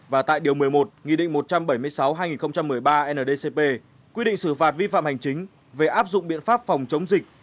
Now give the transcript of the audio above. và tại điều một mươi một nghị định một trăm bảy mươi sáu hai nghìn một mươi ba ndcp quy định xử phạt vi phạm hành chính về áp dụng biện pháp phòng chống dịch